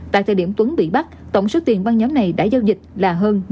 tại thời điểm tuấn bị bắt tổng số tiền băng nhóm này đã giao dịch là hơn năm trăm linh tỷ đồng